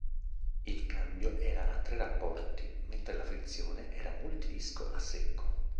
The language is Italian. Il cambio era a tre rapporti mentre la frizione era multidisco a secco.